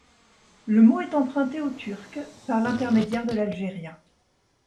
Le mot est emprunté au turc, par l'intermédiaire de l'algérien.